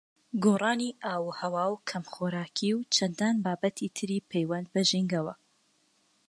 گۆڕانی ئاووهەوا و کەمخۆراکی و چەندان بابەتی تری پەیوەند بە ژینگەوە